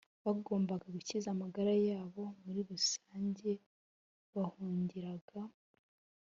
bagombaga gukiza amagara yabo muri rusange bahungiraga